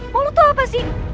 mau lu tau apa sih